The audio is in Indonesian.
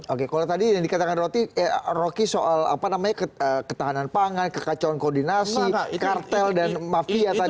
oke kalau tadi yang dikatakan rocky soal apa namanya ketahanan pangan kekacauan koordinasi kartel dan mafia tadi